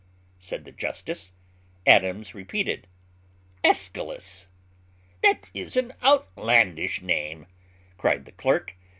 said the justice. Adams repeated, "Aeschylus." "That is an outlandish name," cried the clerk.